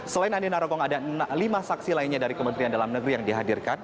selain andi narogong ada lima saksi lainnya dari kementerian dalam negeri yang dihadirkan